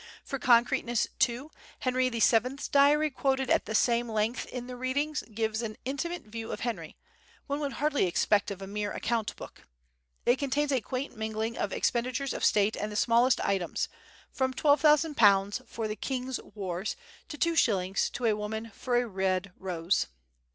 For concreteness, too, Henry VII's diary quoted at some length in the "Readings" gives an intimate view of Henry, one would hardly expect of a mere account book. It contains a quaint mingling of expenditures of state and the smallest items, from £12,000 "for the king's wars," to 2s. "to a woman for a rede rosae."